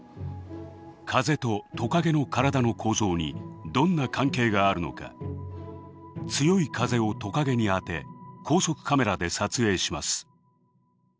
風とトカゲの体の構造にどんな関係があるのか強い風をトカゲに当て高速カメラで撮影します。